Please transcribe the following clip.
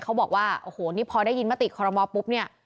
เขาบอกว่าโอ้โหนี่พอได้ยินมติคอรมอลปุ๊บเนี่ย